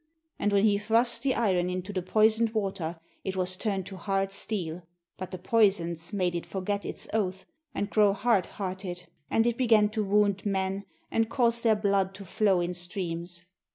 And when he thrust the iron into the poisoned water it was turned to hard steel, but the poisons made it forget its oath and grow hard hearted, and it began to wound men and cause their blood to flow in streams.